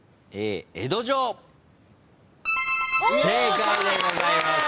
正解でございます。